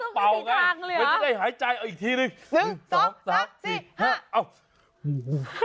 ก็เป่ากันไม่ได้หายใจอีกทีเลย๑๒๓๔๕อ้าว